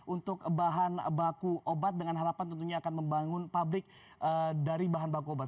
untuk bahan baku obat dengan harapan tentunya akan membangun pabrik dari bahan baku obat